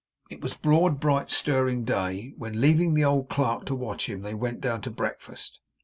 It was broad, bright, stirring day when, leaving the old clerk to watch him, they went down to breakfast.